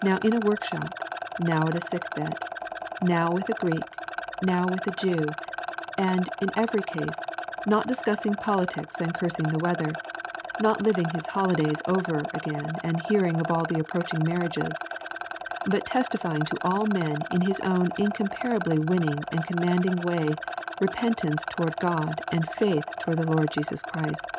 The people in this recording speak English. Now in a workshop, now at a sickbed, now with a Greek, now with a Jew, and, in every case, not discussing politics and cursing the weather, not living his holidays over again and hearing of all the approaching marriages, but testifying to all men in his own incomparably winning and commanding way repentance toward God and faith toward the Lord Jesus Christ.